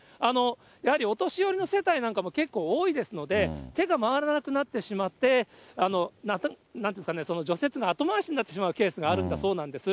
やはりお年寄りの世帯なんかも結構多いですので、手が回らなくなってしまって、除雪が後回しになってしまうケースがあるんだそうなんです。